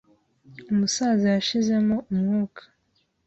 Umusaza yashizemo umwuka.